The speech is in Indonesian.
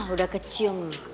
udah kecium nih